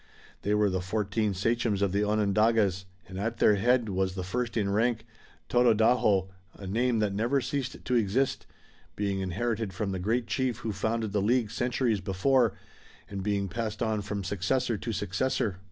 They were the fourteen sachems of the Onondagas, and at their head was the first in rank, Tododaho, a name that never ceased to exist, being inherited from the great chief who founded the League centuries before, and being passed on from successor to successor.